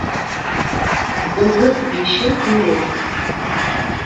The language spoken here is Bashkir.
Утыҙ бише тере.